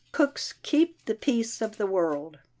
Cooks keep the peace of the world.